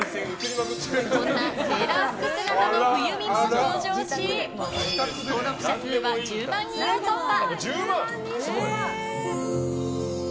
こんなセーラー服姿の冬美も登場し登録者数は１０万人を突破。